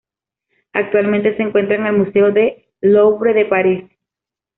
Actualmente se encuentra en el Museo del Louvre de París.